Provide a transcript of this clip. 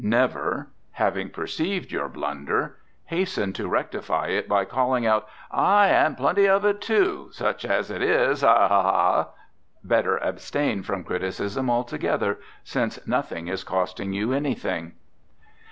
Never, having perceived your blunder, hasten to rectify it by calling out, "Ay, and plenty of it, too such as it is! Ha, ha, ha!" Better abstain from criticism altogether, since nothing is costing you anything.